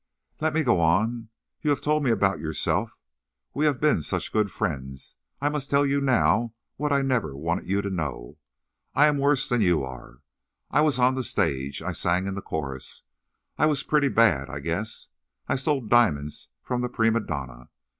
"Let me go on. You have told me about yourself. We have been such good friends. I must tell you now what I never wanted you to know. I am—worse than you are. I was on the stage ... I sang in the chorus ... I was pretty bad, I guess ... I stole diamonds from the prima donna